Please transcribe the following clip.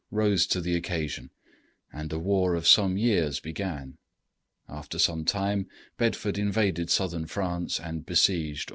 rose to the occasion, and a war of some years began. After some time, Bedford invaded southern France and besieged Orléans.